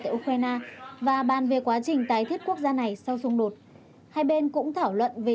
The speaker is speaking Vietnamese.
tại ukraine và bàn về quá trình tái thiết quốc gia này sau xung đột hai bên cũng thảo luận về